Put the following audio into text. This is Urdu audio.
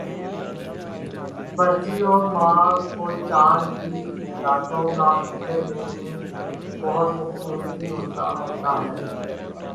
پرتھویں ماہ کو چاند کی راتوں کا منظر دیکھنا بہت خوبصورتی ہوتا ہے